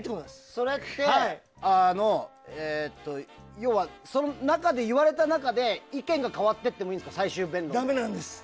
それって、要は言われた中で意見が変わっていってもダメなんです。